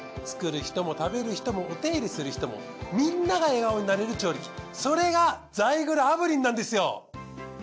作る人も食べる人もお手入れする人もみんなが笑顔になれる調理器それがザイグル炙輪なんですよ。